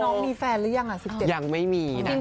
น้องมีแฟนหรือยัง๑๗ยังไม่มีนะ